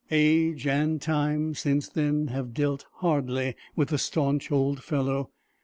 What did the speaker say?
Age and time, since then, have dealt hardly with the stanch old fellow.